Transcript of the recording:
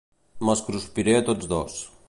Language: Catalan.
Me'ls cruspiré a tots dos.